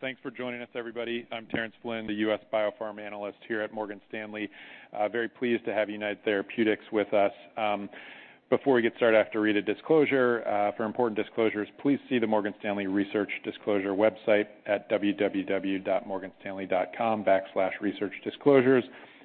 Well, thanks for joining us, everybody. I'm Terence Flynn, the U.S. Biopharma analyst here at Morgan Stanley. Very pleased to have United Therapeutics with us. Before we get started, I have to read a disclosure. For important disclosures, please see the Morgan Stanley Research Disclosure website at www.morganstanley.com/researchdisclosures.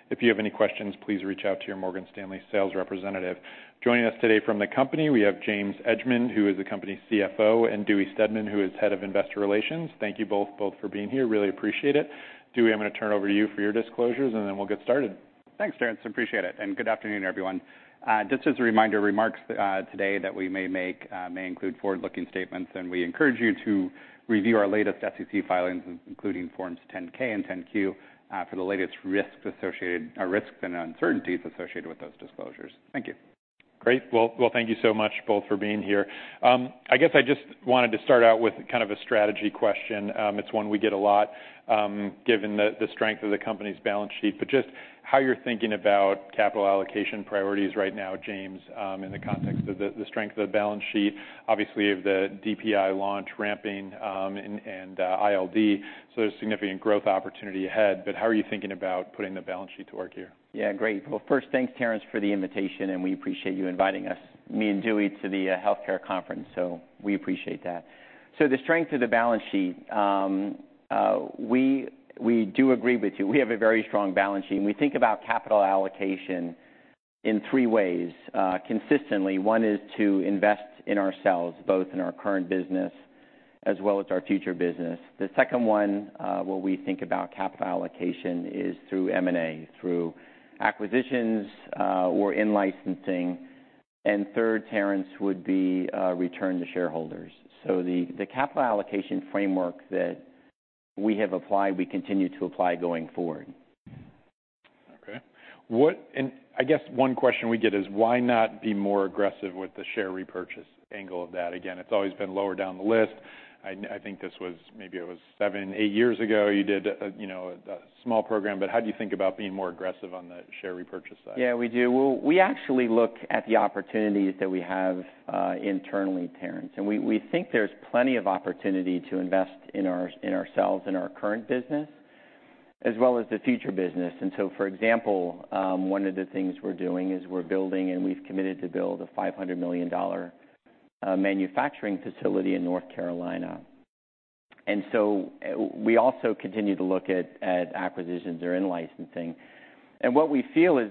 If you have any questions, please reach out to your Morgan Stanley sales representative. Joining us today from the company, we have James Edgemond, who is the company's CFO, and Dewey Steadman, who is Head of Investor Relations. Thank you both, both for being here. Really appreciate it. Dewey, I'm going to turn it over to you for your disclosures, and then we'll get started. Thanks, Terence. Appreciate it, and good afternoon, everyone. Just as a reminder, remarks today that we may make may include forward-looking statements, and we encourage you to review our latest SEC filings, including Forms 10-K and 10-Q, for the latest risks associated risks and uncertainties associated with those disclosures. Thank you. Great. Well, thank you so much, both, for being here. I guess I just wanted to start out with kind of a strategy question. It's one we get a lot, given the strength of the company's balance sheet. But just how you're thinking about capital allocation priorities right now, James, in the context of the strength of the balance sheet, obviously, of the DPI launch ramping, and ILD. So there's significant growth opportunity ahead, but how are you thinking about putting the balance sheet to work here? Yeah, great. Well, first, thanks, Terence, for the invitation, and we appreciate you inviting us, me and Dewey, to the healthcare conference, so we appreciate that. So the strength of the balance sheet, we do agree with you. We have a very strong balance sheet, and we think about capital allocation in three ways. Consistently, one is to invest in ourselves, both in our current business as well as our future business. The second one, where we think about capital allocation is through M&A, through acquisitions, or in-licensing. And third, Terence, would be return to shareholders. So the capital allocation framework that we have applied, we continue to apply going forward. Okay. And I guess one question we get is, why not be more aggressive with the share repurchase angle of that? Again, it's always been lower down the list. I think this was, maybe it was seven, eight years ago, you did a, you know, a small program, but how do you think about being more aggressive on the share repurchase side? Yeah, we do. Well, we actually look at the opportunities that we have internally, Terence, and we think there's plenty of opportunity to invest in ourselves, in our current business, as well as the future business. So, for example, one of the things we're doing is we're building, and we've committed to build a $500 million manufacturing facility in North Carolina. We also continue to look at acquisitions or in-licensing. What we feel is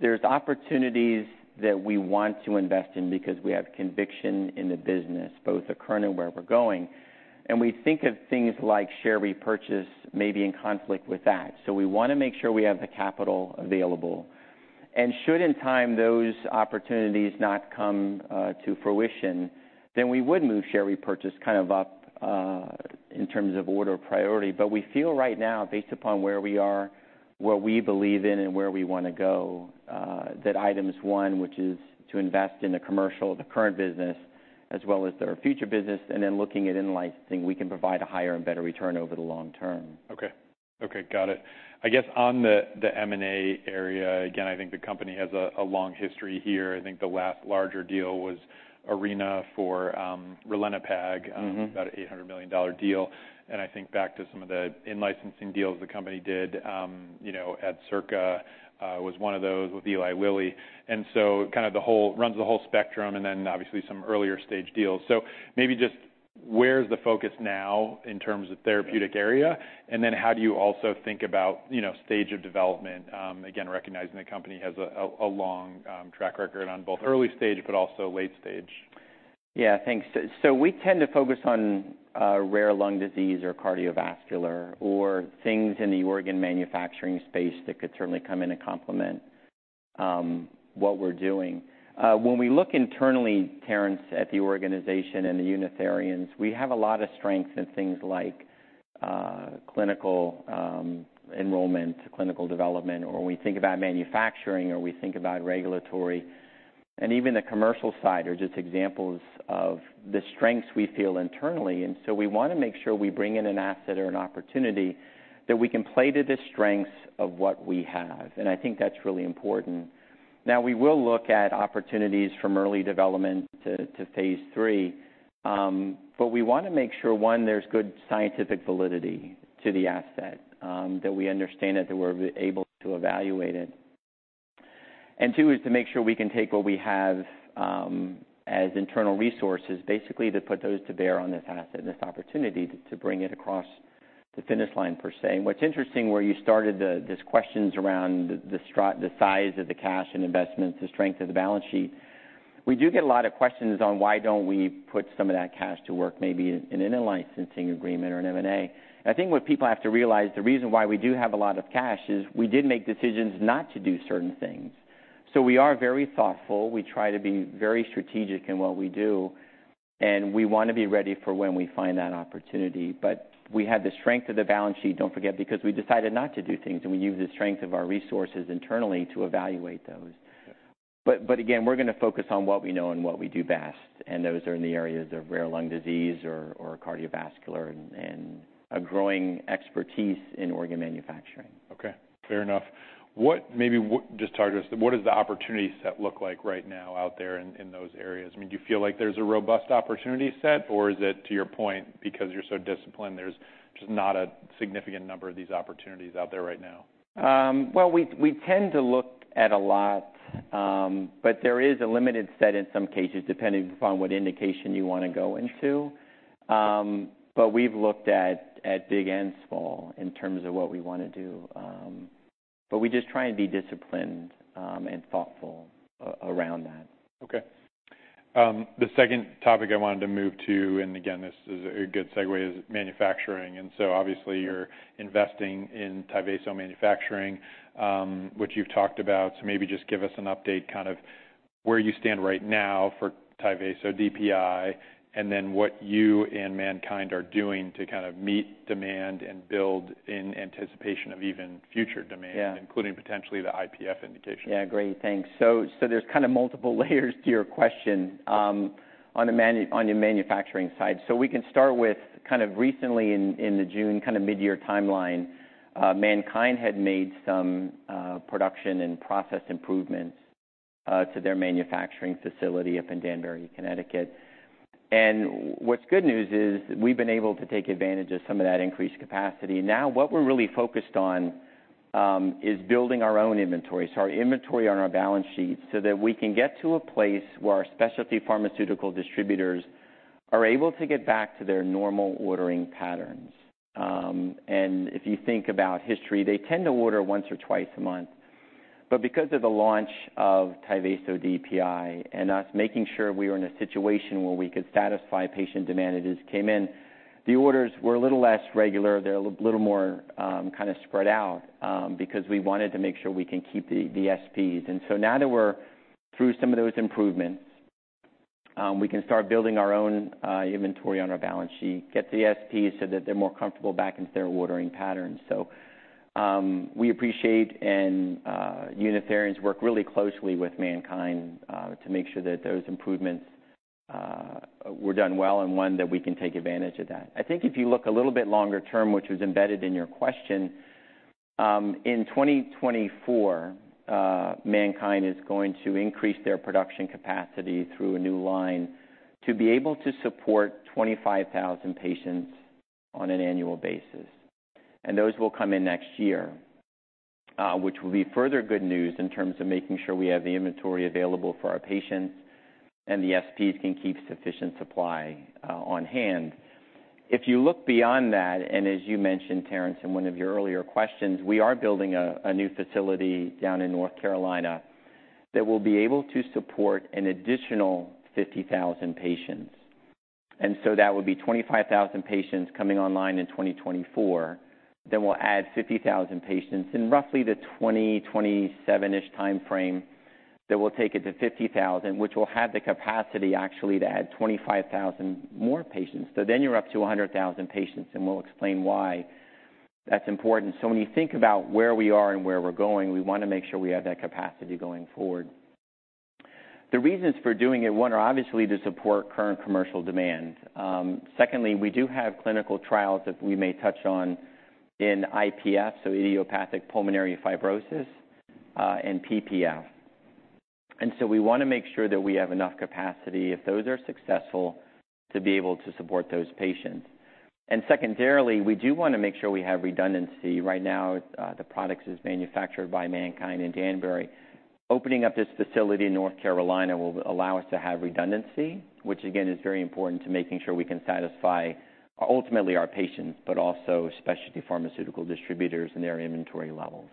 there's opportunities that we want to invest in because we have conviction in the business, both the current and where we're going. We think of things like share repurchase may be in conflict with that. So we want to make sure we have the capital available. Should, in time, those opportunities not come to fruition, then we would move share repurchase kind of up in terms of order of priority. But we feel right now, based upon where we are, what we believe in, and where we want to go, that item is one, which is to invest in the commercial, the current business, as well as our future business, and then looking at in-licensing, we can provide a higher and better return over the long term. Okay. Okay, got it. I guess on the M&A area, again, I think the company has a long history here. I think the last larger deal was Arena for ralinepag- Mm-hmm. about $800 million deal. And I think back to some of the in-licensing deals the company did, you know, at Adcirca, was one of those with Eli Lilly. And so kind of the whole runs the whole spectrum, and then obviously some earlier stage deals. So maybe just where's the focus now in terms of therapeutic area, and then how do you also think about, you know, stage of development? Again, recognizing the company has a long track record on both early stage but also late stage. Yeah, thanks. So, so we tend to focus on, rare lung disease or cardiovascular or things in the organ manufacturing space that could certainly come in and complement, what we're doing. When we look internally, Terence, at the organization and the United Therapeutics, we have a lot of strength in things like, clinical, enrollment, clinical development, or when we think about manufacturing, or we think about regulatory, and even the commercial side are just examples of the strengths we feel internally. And so we want to make sure we bring in an asset or an opportunity that we can play to the strengths of what we have, and I think that's really important. Now, we will look at opportunities from early development to phase three, but we want to make sure, one, there's good scientific validity to the asset, that we understand it, that we're able to evaluate it. And two, is to make sure we can take what we have, as internal resources, basically, to put those to bear on this asset and this opportunity to bring it across the finish line per se. And what's interesting, where you started these questions around the size of the cash and investments, the strength of the balance sheet, we do get a lot of questions on why don't we put some of that cash to work, maybe in an in-licensing agreement or an M&A. I think what people have to realize, the reason why we do have a lot of cash is we did make decisions not to do certain things. So we are very thoughtful. We try to be very strategic in what we do, and we want to be ready for when we find that opportunity. But we have the strength of the balance sheet, don't forget, because we decided not to do things, and we use the strength of our resources internally to evaluate those. But again, we're gonna focus on what we know and what we do best, and those are in the areas of rare lung disease or cardiovascular and a growing expertise in organ manufacturing. Okay, fair enough. What maybe just talk to us, what does the opportunity set look like right now out there in, in those areas? I mean, do you feel like there's a robust opportunity set, or is it, to your point, because you're so disciplined, there's just not a significant number of these opportunities out there right now? Well, we tend to look at a lot, but there is a limited set in some cases, depending upon what indication you wanna go into. But we've looked at big and small in terms of what we wanna do, but we just try and be disciplined, and thoughtful around that. Okay. The second topic I wanted to move to, and again, this is a good segue, is manufacturing. And so obviously you're investing in Tyvaso manufacturing, which you've talked about. So maybe just give us an update, kind of where you stand right now for Tyvaso DPI, and then what you and MannKind are doing to kind of meet demand and build in anticipation of even future demand- Yeah... including potentially the IPF indication. Yeah, great, thanks. So there's kind of multiple layers to your question on the manufacturing side. So we can start with kind of recently in the June, kind of midyear timeline. MannKind had made some production and process improvements to their manufacturing facility up in Danbury, Connecticut. And what's good news is we've been able to take advantage of some of that increased capacity. Now, what we're really focused on is building our own inventory, so our inventory on our balance sheet, so that we can get to a place where our specialty pharmaceutical distributors are able to get back to their normal ordering patterns. And if you think about history, they tend to order once or twice a month. But because of the launch of Tyvaso DPI and us making sure we were in a situation where we could satisfy patient demand that just came in, the orders were a little less regular. They're a little more, kind of spread out, because we wanted to make sure we can keep the, the SPs. And so now that we're through some of those improvements, we can start building our own, inventory on our balance sheet, get the SP so that they're more comfortable back into their ordering patterns. So, we appreciate and, United Therapeutics work really closely with MannKind, to make sure that those improvements, were done well, and one, that we can take advantage of that. I think if you look a little bit longer term, which was embedded in your question, in 2024, MannKind is going to increase their production capacity through a new line to be able to support 25,000 patients on an annual basis. And those will come in next year, which will be further good news in terms of making sure we have the inventory available for our patients, and the SPs can keep sufficient supply on hand. If you look beyond that, and as you mentioned, Terence, in one of your earlier questions, we are building a new facility down in North Carolina that will be able to support an additional 50,000 patients. And so that would be 25,000 patients coming online in 2024. Then we'll add 50,000 patients in roughly the 2027-ish timeframe, that will take it to 50,000, which will have the capacity actually to add 25,000 more patients. So then you're up to 100,000 patients, and we'll explain why that's important. So when you think about where we are and where we're going, we wanna make sure we have that capacity going forward. The reasons for doing it, one, are obviously to support current commercial demand. Secondly, we do have clinical trials that we may touch on in IPF, so idiopathic pulmonary fibrosis, and PPF. And so we wanna make sure that we have enough capacity, if those are successful, to be able to support those patients. And secondarily, we do wanna make sure we have redundancy. Right now, the product is manufactured by MannKind in Danbury. Opening up this facility in North Carolina will allow us to have redundancy, which again, is very important to making sure we can satisfy, ultimately, our patients, but also specialty pharmaceutical distributors and their inventory levels.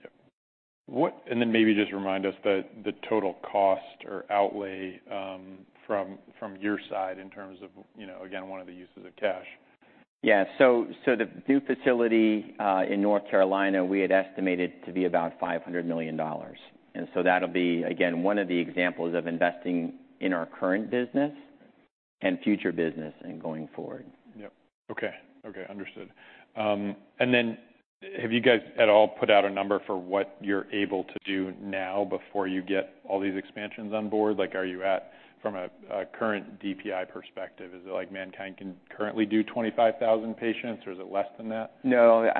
Yeah. And then maybe just remind us the total cost or outlay, from your side in terms of, you know, again, one of the uses of cash? Yeah. So the new facility in North Carolina, we had estimated to be about $500 million. That'll be, again, one of the examples of investing in our current business. Okay… and future business going forward. Yep. Okay. Okay, understood. And then have you guys at all put out a number for what you're able to do now before you get all these expansions on board? Like, are you at, from a current DPI perspective, is it like MannKind can currently do 25,000 patients, or is it less than that? No,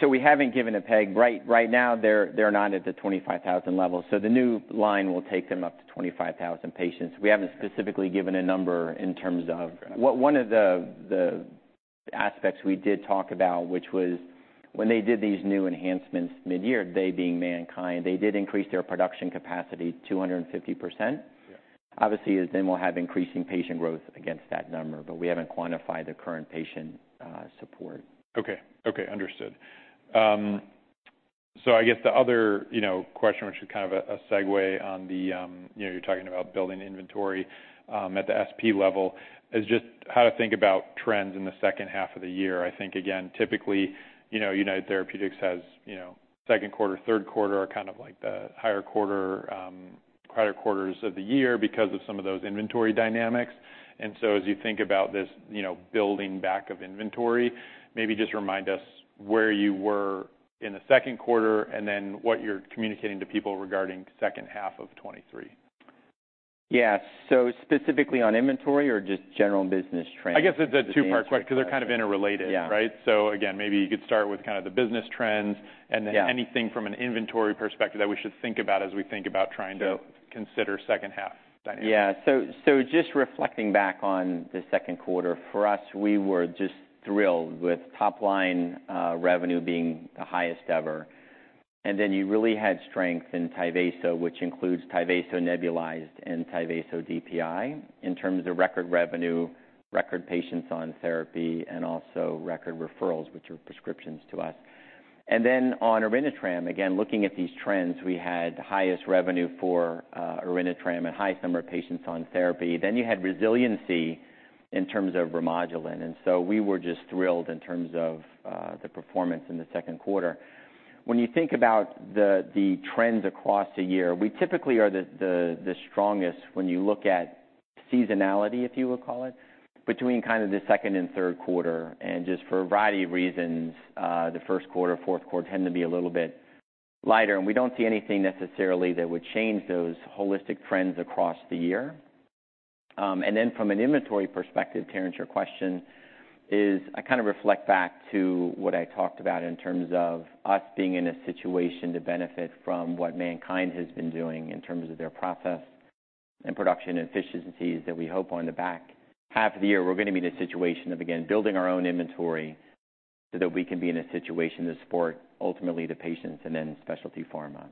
so we haven't given a peg. Right, right now, they're not at the 25,000 level, so the new line will take them up to 25,000 patients. We haven't specifically given a number in terms of- Okay. Well, one of the aspects we did talk about, which was when they did these new enhancements midyear, they being MannKind, they did increase their production capacity 250%. Yeah. Obviously, as then we'll have increasing patient growth against that number, but we haven't quantified the current patient support. Okay. Okay, understood. So I guess the other, you know, question, which is kind of a segue on the, you know, you're talking about building inventory at the SP level, is just how to think about trends in the second half of the year. I think, again, typically, you know, United Therapeutics has, you know, second quarter, third quarter are kind of like the higher quarter, quarter-quarters of the year because of some of those inventory dynamics. And so as you think about this, you know, building back of inventory, maybe just remind us where you were in the second quarter and then what you're communicating to people regarding second half of 2023.... Yes. So specifically on inventory or just general business trends? I guess it's a two-part question, because they're kind of interrelated. Yeah. Right? So again, maybe you could start with kind of the business trends- Yeah... And then anything from an inventory perspective that we should think about as we think about trying to- Sure -consider second half dynamics. Yeah. So just reflecting back on the second quarter, for us, we were just thrilled with top-line revenue being the highest ever. And then you really had strength in Tyvaso, which includes Tyvaso nebulized and Tyvaso DPI, in terms of record revenue, record patients on therapy, and also record referrals, which are prescriptions to us. And then on Orenitram, again, looking at these trends, we had the highest revenue for Orenitram and a high number of patients on therapy. Then you had resiliency in terms of Remodulin, and so we were just thrilled in terms of the performance in the second quarter. When you think about the trends across the year, we typically are the strongest when you look at seasonality, if you would call it, between kind of the second and third quarter. Just for a variety of reasons, the first quarter, fourth quarter tend to be a little bit lighter, and we don't see anything necessarily that would change those holistic trends across the year. And then from an inventory perspective, Terence, your question is... I kind of reflect back to what I talked about in terms of us being in a situation to benefit from what MannKind has been doing in terms of their process and production efficiencies, that we hope on the back half of the year, we're gonna be in a situation of, again, building our own inventory, so that we can be in a situation to support ultimately the patients and then specialty pharma.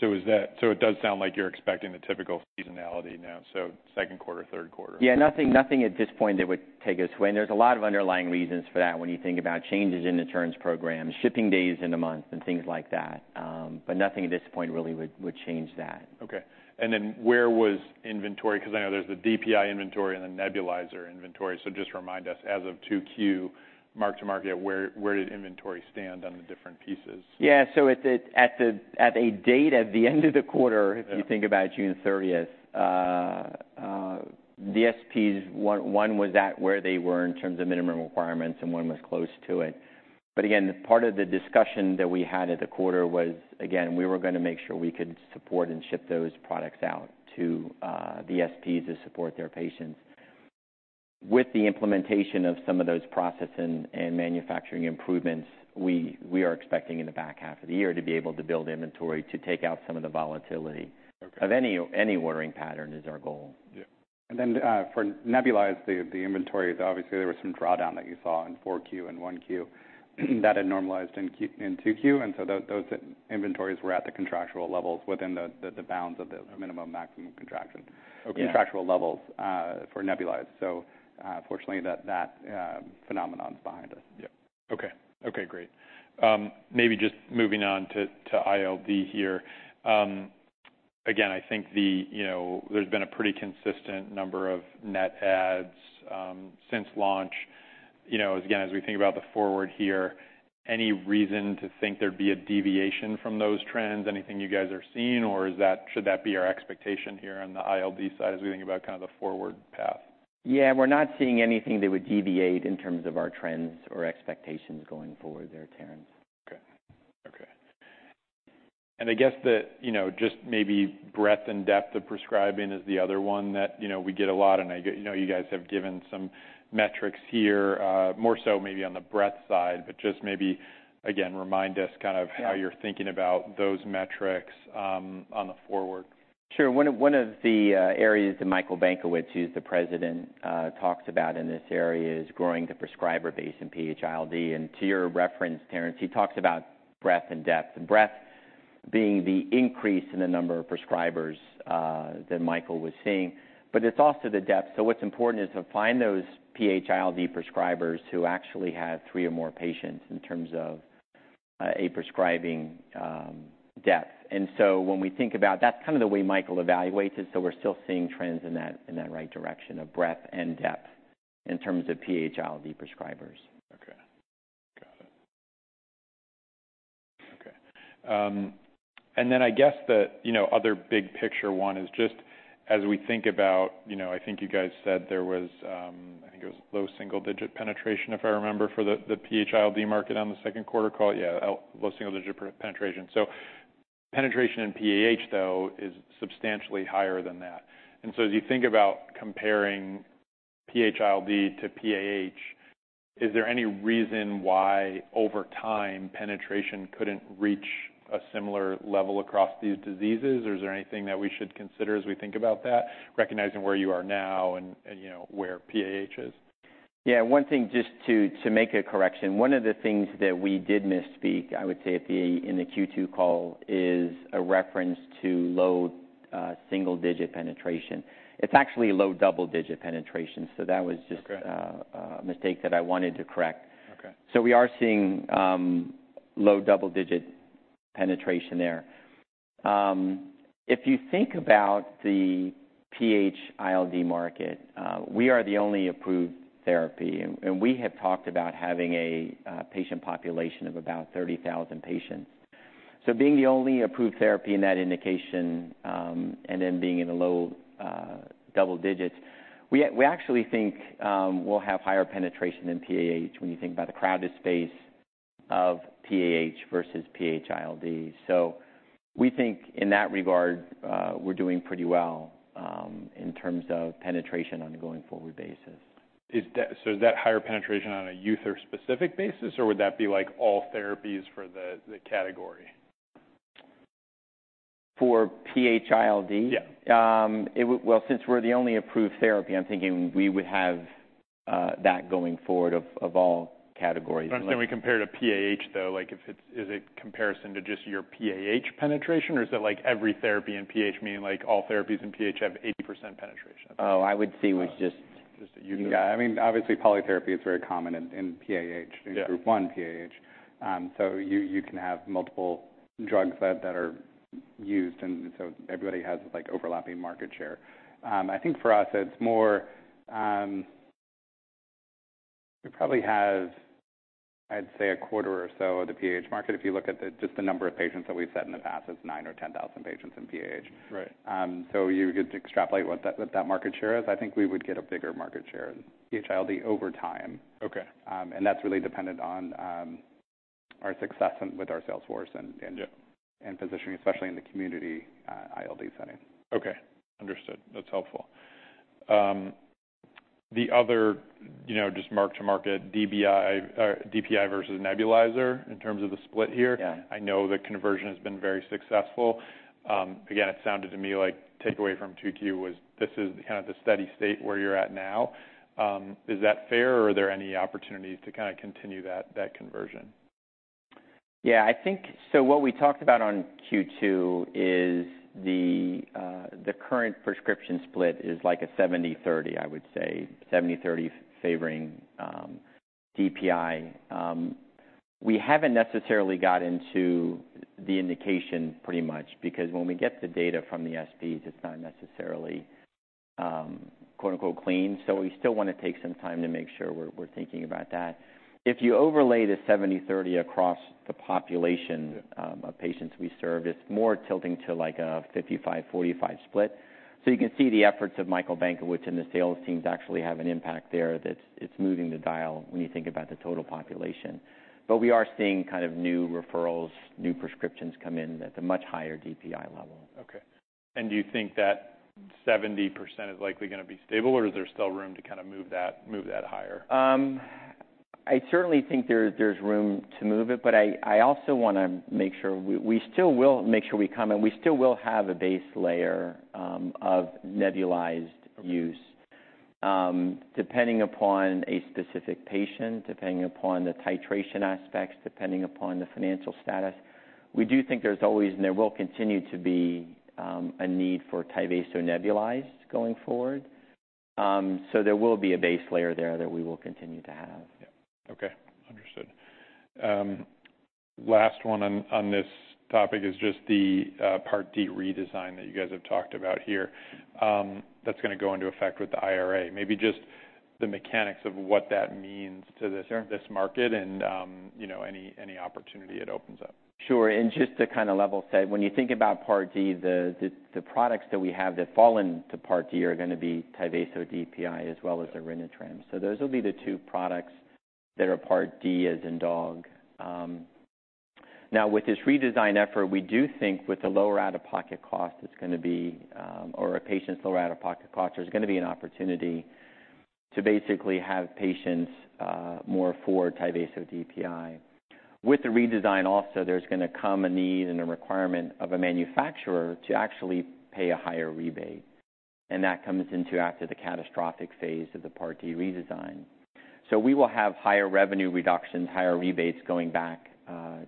Yep. So it does sound like you're expecting the typical seasonality now, so second quarter, third quarter. Yeah. Nothing, nothing at this point that would take us away. And there's a lot of underlying reasons for that when you think about changes in the terms programs, shipping days in the month, and things like that. But nothing at this point really would, would change that. Okay. And then where was inventory? Because I know there's the DPI inventory and the nebulizer inventory, so just remind us, as of 2Q, mark-to-market, where did inventory stand on the different pieces? Yeah. So at the end of the quarter- Yeah... if you think about June 30th, the SPs, one was at where they were in terms of minimum requirements, and one was close to it. But again, part of the discussion that we had at the quarter was, again, we were gonna make sure we could support and ship those products out to the SPs to support their patients. With the implementation of some of those process and manufacturing improvements, we are expecting in the back half of the year to be able to build inventory, to take out some of the volatility- Okay -of any ordering pattern is our goal. Yeah. And then, for nebulized, the inventory, obviously, there was some drawdown that you saw in Q4 and Q1 that had normalized in Q2. And so those inventories were at the contractual levels within the bounds of the minimum/maximum contraction. Okay. Contractual levels for nebulized. So, fortunately, that phenomenon is behind us. Yep. Okay. Okay, great. Maybe just moving on to ILD here. Again, I think the, you know, there's been a pretty consistent number of net adds, since launch. You know, again, as we think about the forward here, any reason to think there'd be a deviation from those trends? Anything you guys are seeing, or is that-- should that be our expectation here on the ILD side, as we think about kind of the forward path? Yeah, we're not seeing anything that would deviate in terms of our trends or expectations going forward there, Terence. Okay. Okay. And I guess the, you know, just maybe breadth and depth of prescribing is the other one that, you know, we get a lot. And I get- You know, you guys have given some metrics here, more so maybe on the breadth side, but just maybe, again, remind us kind of- Yeah how you're thinking about those metrics, on the forward. Sure. One of the areas that Michael Benkowitz, who's the president, talks about in this area, is growing the prescriber base in PH-ILD. And to your reference, Terence, he talks about breadth and depth. And breadth being the increase in the number of prescribers that Michael was seeing, but it's also the depth. So what's important is to find those PH-ILD prescribers who actually have three or more patients in terms of a prescribing depth. And so when we think about... That's kind of the way Michael evaluates it. So we're still seeing trends in that right direction of breadth and depth in terms of PH-ILD prescribers. Okay. Got it. Okay. And then I guess the, you know, other big picture one is just as we think about, you know, I think you guys said there was, I think it was low single-digit penetration, if I remember, for the PH-ILD market on the second quarter call. Yeah, low single-digit penetration. So penetration in PAH, though, is substantially higher than that. And so as you think about comparing PH-ILD to PAH, is there any reason why, over time, penetration couldn't reach a similar level across these diseases? Or is there anything that we should consider as we think about that, recognizing where you are now and, you know, where PAH is? Yeah, one thing, just to make a correction, one of the things that we did misspeak, I would say, in the Q2 call, is a reference to low single-digit penetration. It's actually low double-digit penetration, so that was just- Okay... a mistake that I wanted to correct. Okay. So we are seeing low double-digit penetration there. If you think about the PH-ILD market, we are the only approved therapy, and we have talked about having a patient population of about 30,000 patients. So being the only approved therapy in that indication, and then being in a low double digits. We actually think we'll have higher penetration than PAH when you think about the crowded space of PAH versus PH-ILD. So we think in that regard, we're doing pretty well in terms of penetration on a going-forward basis. So is that higher penetration on a user-specific basis, or would that be, like, all therapies for the category? For PH-ILD? Yeah. Well, since we're the only approved therapy, I'm thinking we would have that going forward of all categories. I'm saying when compared to PAH, though, like, if it's, is it comparison to just your PAH penetration, or is it like every therapy in PH, meaning, like, all therapies in PH have 80% penetration? Oh, I would say it was just- Just that you- Yeah, I mean, obviously, polytherapy is very common in PAH- Yeah -in Group 1 PAH. So you can have multiple drugs that are used, and so everybody has, like, overlapping market share. I think for us it's more, it probably has, I'd say, a quarter or so of the PH market. If you look at just the number of patients that we've said in the past, it's 9,000 or 10,000 patients in PAH. Right. You get to extrapolate what that market share is. I think we would get a bigger market share in PH-ILD over time. Okay. That's really dependent on our success with our sales force and- Yeah - and positioning, especially in the community, ILD setting. Okay, understood. That's helpful. The other, you know, just mark-to-market DBI or DPI versus nebulizer in terms of the split here. Yeah. I know the conversion has been very successful. Again, it sounded to me like takeaway from 2Q was, this is kind of the steady state where you're at now. Is that fair, or are there any opportunities to kinda continue that, that conversion? Yeah, I think... So what we talked about on Q2 is the current prescription split is like a 70/30, I would say. 70/30 favoring DPI. We haven't necessarily got into the indication pretty much because when we get the data from the SPs, it's not necessarily quote, unquote, "clean." So we still wanna take some time to make sure we're thinking about that. If you overlay the 70/30 across the population- Yeah of patients we serve, it's more tilting to, like, a 55/45 split. So you can see the efforts of Michael Benkowitz and the sales teams actually have an impact there, that it's moving the dial when you think about the total population. But we are seeing kind of new referrals, new prescriptions come in at a much higher DPI level. Okay. And do you think that 70% is likely gonna be stable, or is there still room to kinda move that, move that higher? I certainly think there's room to move it, but I also wanna make sure we still will make sure we come, and we still will have a base layer of nebulized use. Depending upon a specific patient, depending upon the titration aspects, depending upon the financial status, we do think there's always and there will continue to be a need for Tyvaso nebulized going forward. So there will be a base layer there that we will continue to have. Yeah. Okay, understood. Last one on, on this topic is just the Part D redesign that you guys have talked about here. That's gonna go into effect with the IRA. Maybe just the mechanics of what that means to this- Sure... this market and, you know, any opportunity it opens up. Sure. And just to kind of level set, when you think about Part D, the products that we have that fall into Part D are gonna be Tyvaso DPI as well as Orenitram. So those will be the two products that are Part D, as in dog. Now, with this redesign effort, we do think with the lower out-of-pocket cost, it's gonna be or a patient's lower out-of-pocket cost, there's gonna be an opportunity to basically have patients more for Tyvaso DPI. With the redesign also, there's gonna come a need and a requirement of a manufacturer to actually pay a higher rebate, and that comes into after the catastrophic phase of the Part D redesign. So we will have higher revenue reductions, higher rebates going back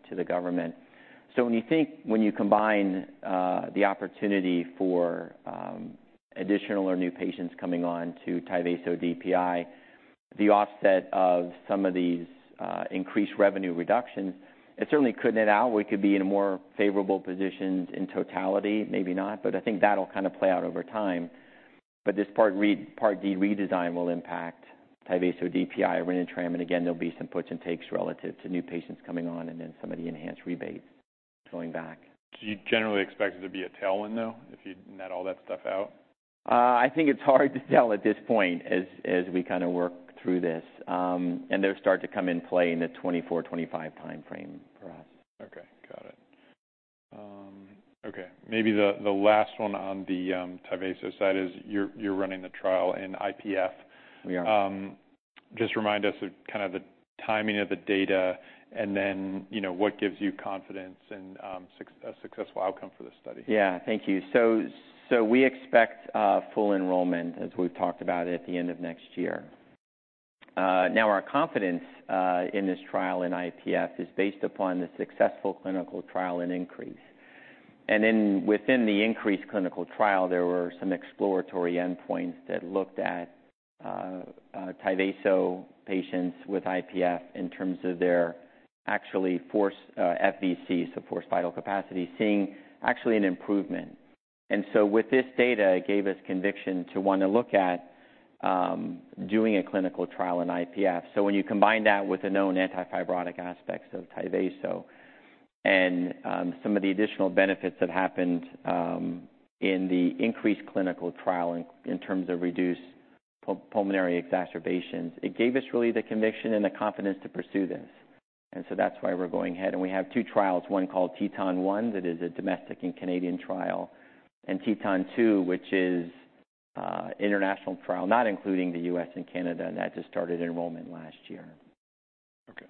to the government. So when you think, when you combine, the opportunity for additional or new patients coming on to Tyvaso DPI, the offset of some of these increased revenue reductions, it certainly could net out. We could be in a more favorable position in totality, maybe not, but I think that'll kind of play out over time. But this Part D redesign will impact Tyvaso DPI, Orenitram, and again, there'll be some puts and takes relative to new patients coming on and then some of the enhanced rebates going back. Do you generally expect it to be a tailwind, though, if you net all that stuff out? I think it's hard to tell at this point as we kinda work through this. And they'll start to come in play in the 2024-2025 timeframe for us. Okay, got it. Okay, maybe the last one on the Tyvaso side is you're running the trial in IPF. We are. Just remind us of kind of the timing of the data and then, you know, what gives you confidence in a successful outcome for this study? Yeah. Thank you. So we expect full enrollment, as we've talked about, at the end of next year. Now, our confidence in this trial in IPF is based upon the successful clinical trial INCREASE. And then within the INCREASE clinical trial, there were some exploratory endpoints that looked at Tyvaso patients with IPF in terms of their actually forced FVC, so forced vital capacity, seeing actually an improvement. And so with this data, it gave us conviction to wanna look at doing a clinical trial in IPF. So when you combine that with the known antifibrotic aspects of Tyvaso and some of the additional benefits that happened in the INCREASE clinical trial in terms of reduced pulmonary exacerbations, it gave us really the conviction and the confidence to pursue this. And so that's why we're going ahead. We have two trials, one called TETON-1, that is a domestic and Canadian trial, and TETON-2, which is, international trial, not including the U.S. and Canada, and that just started enrollment last year. Okay.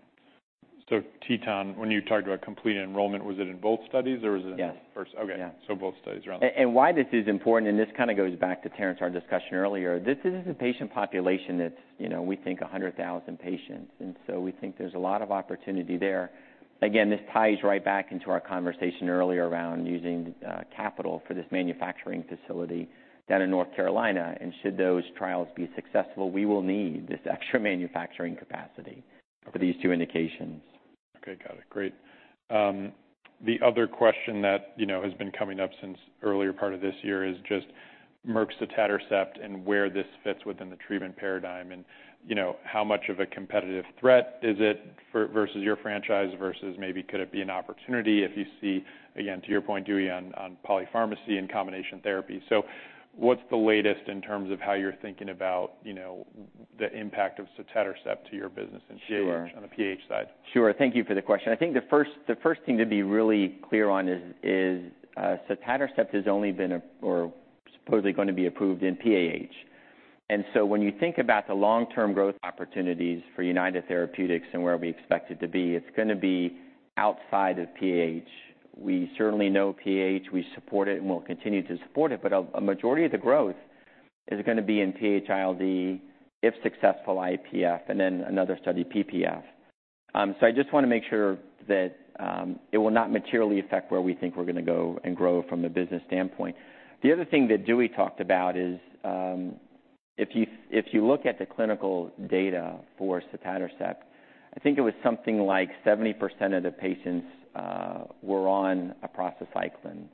So TETON, when you talked about completing enrollment, was it in both studies, or was it in- Yes. Okay. Yeah. So both studies, right? Why this is important, and this kind of goes back to Terence, our discussion earlier, this is a patient population that's, you know, we think 100,000 patients, and so we think there's a lot of opportunity there. Again, this ties right back into our conversation earlier around using capital for this manufacturing facility down in North Carolina, and should those trials be successful, we will need this extra manufacturing capacity for these two indications. Okay, got it. Great. The other question that, you know, has been coming up since earlier part of this year is just Merck's sotatercept and where this fits within the treatment paradigm, and, you know, how much of a competitive threat is it versus your franchise, versus maybe could it be an opportunity if you see, again, to your point, Dewey, on polypharmacy and combination therapy. So what's the latest in terms of how you're thinking about, you know, the impact of sotatercept to your business- Sure... and on the PAH side? Sure. Thank you for the question. I think the first thing to be really clear on is sotatercept has only been a, or supposedly going to be approved in PAH. And so when you think about the long-term growth opportunities for United Therapeutics and where we expect it to be, it's gonna be outside of PAH. We certainly know PAH, we support it and will continue to support it, but a majority of the growth is gonna be in PH-ILD, if successful, IPF, and then another study, PPF. So I just want to make sure that it will not materially affect where we think we're gonna go and grow from a business standpoint. The other thing that Dewey talked about is, if you, if you look at the clinical data for sotatercept, I think it was something like 70% of the patients were on prostacyclin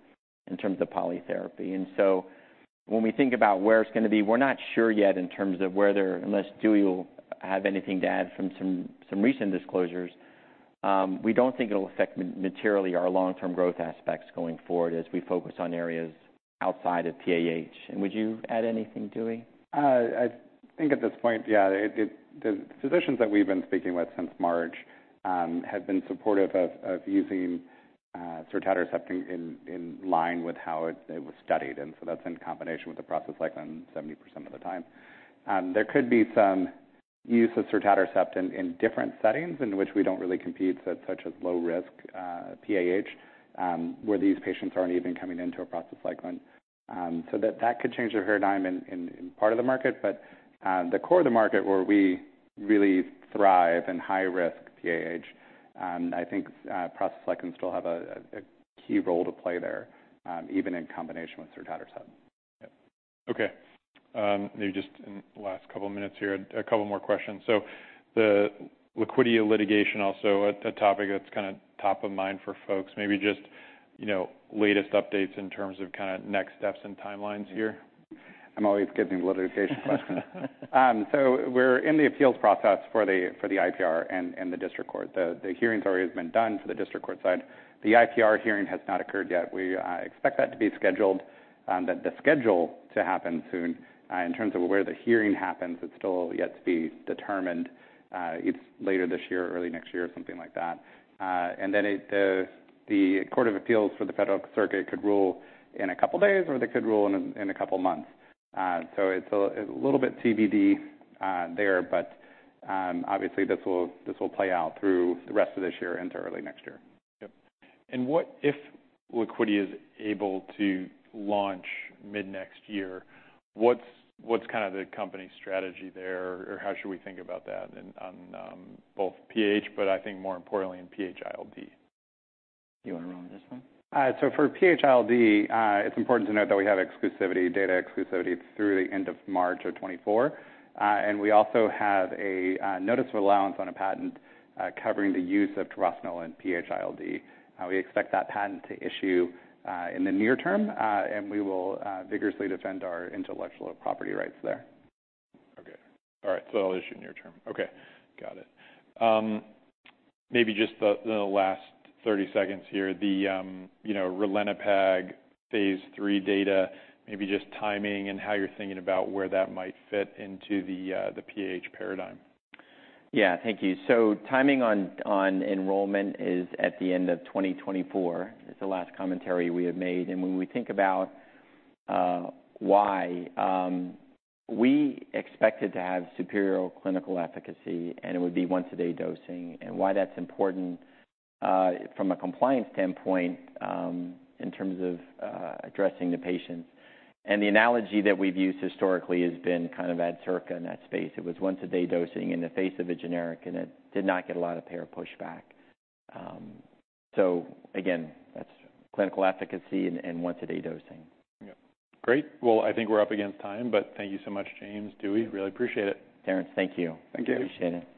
in terms of polytherapy. And so when we think about where it's gonna be, we're not sure yet in terms of whether, unless Dewey will have anything to add from some, some recent disclosures, we don't think it'll affect materially our long-term growth aspects going forward as we focus on areas outside of PAH. And would you add anything, Dewey? I think at this point, yeah, it. The physicians that we've been speaking with since March have been supportive of using sotatercept in line with how it was studied, and so that's in combination with prostacyclin 70% of the time. There could be some use of sotatercept in different settings in which we don't really compete, so such as low-risk PAH, where these patients aren't even coming into prostacyclin. So that could change the paradigm in part of the market, but the core of the market where we really thrive in high-risk PAH, I think prostacyclin still have a key role to play there, even in combination with sotatercept. Yep. Okay, maybe just in the last couple of minutes here, a couple more questions. So the Liquidia litigation also a topic that's kind of top of mind for folks. Maybe just, you know, latest updates in terms of kind of next steps and timelines here. I'm always getting litigation questions. So we're in the appeals process for the, for the IPR and, and the district court. The, the hearing's already been done for the district court side. The IPR hearing has not occurred yet. We expect that to be scheduled, that the schedule to happen soon. In terms of where the hearing happens, it's still yet to be determined. It's later this year, early next year, something like that. And then it, the, the Court of Appeals for the Federal Circuit could rule in a couple of days, or they could rule in a, in a couple of months. So it's a little bit TBD, there, but, obviously this will, this will play out through the rest of this year into early next year. Yep. And what if Liquidia is able to launch mid-next year, what's the company's strategy there, or how should we think about that in, on, both PAH, but I think more importantly, in PH-ILD? You wanna run this one? So for PH-ILD, it's important to note that we have exclusivity, data exclusivity through the end of March 2024. And we also have a notice of allowance on a patent covering the use of treprostinil in PH-ILD. We expect that patent to issue in the near term, and we will vigorously defend our intellectual property rights there. Okay. All right, so it'll issue near term. Okay, got it. Maybe just the last 30 seconds here, you know, Ralinepag Phase III data, maybe just timing and how you're thinking about where that might fit into the PAH paradigm. Yeah, thank you. So timing on enrollment is at the end of 2024. It's the last commentary we have made. And when we think about why we expect it to have superior clinical efficacy, and it would be once a day dosing, and why that's important from a compliance standpoint, in terms of addressing the patients. And the analogy that we've used historically has been kind of Adcirca in that space. It was once a day dosing in the face of a generic, and it did not get a lot of payer pushback. So again, that's clinical efficacy and once a day dosing. Yep. Great. Well, I think we're up against time, but thank you so much, James, Dewey. Really appreciate it. Terence, thank you. Thank you. Appreciate it.